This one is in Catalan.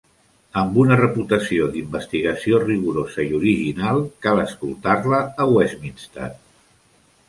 Amb una reputació d'investigació rigorosa i original, cal escoltar-la a Westminster.